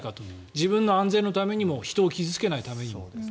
自分の安全のためにも人を傷付けないためにも。